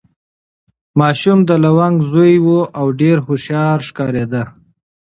ماشوم د لونګ زوی و او ډېر هوښیار ښکارېده.